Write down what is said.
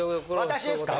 私ですか？